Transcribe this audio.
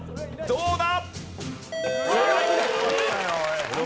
どうだ？